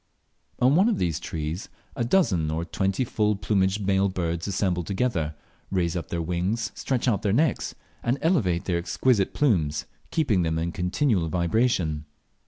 On one of these trees a dozen or twenty full plumaged male birds assemble together, raise up their wings, stretch out their necks, and elevate their exquisite plumes, keeping them in a continual vibration.